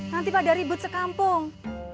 nanti pada ribut sekampung